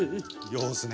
様子ねえ。